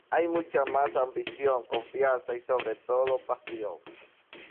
Hay mucha más ambición, confianza y sobre todo, pasión.